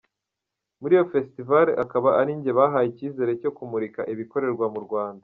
Muri iyo Festival akaba ari njye bahaye icyizere cyo kumurika ibikorerwa mu Rwanda.